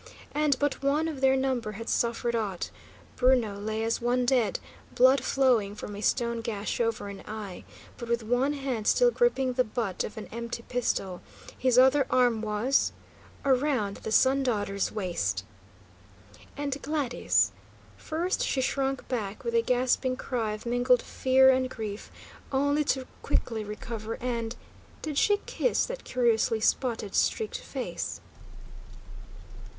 And but one of their number had suffered aught: Bruno lay as one dead, blood flowing from a stone gash over an eye, but with one hand still gripping the butt of an empty pistol; his other arm was around the Sun Daughter's waist! And Gladys? First she shrunk back with a gasping cry of mingled fear and grief; only to quickly recover and did she kiss that curiously spotted, streaked face?